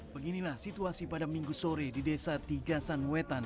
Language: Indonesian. beginilah situasi pada minggu sore di desa tiga sanwetan